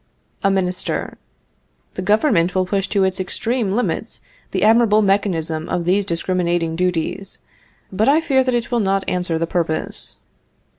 "A Minister. The government will push to its extreme limits the admirable mechanism of these discriminating duties, but I fear that it will not answer the purpose.